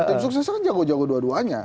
tim suksesnya kan jago jago dua duanya